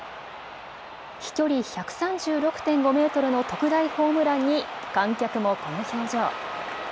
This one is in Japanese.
飛距離１３６．５メートルの特大ホームランに観客もこの表情。